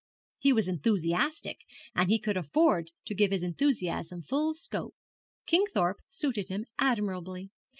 He was enthusiastic, and he could afford to give his enthusiasm full scope. Kingthorpe suited him admirably.